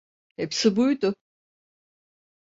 Hepsi buydu.